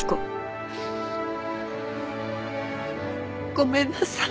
ごめんなさい。